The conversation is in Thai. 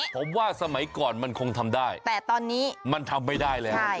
ผมว่าสมัยก่อนมันคงทำได้แต่ตอนนี้มันทำไม่ได้แล้ว